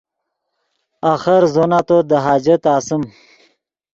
آخر زو نتو دے حاجت آسیم